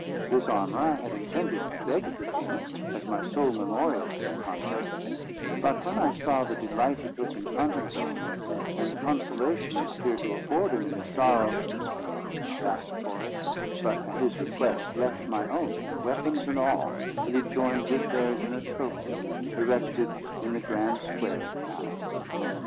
This armour I had intended to beg of the king, as my sole memorials of the contest; but, when I saw the delight he took in contemplating it, and the consolation it appeared to afford him in his sorrow, I could not ask for it; but, at his request, left my own, weapons and all, to be joined with theirs in a trophy, erected in the grand square of the palace.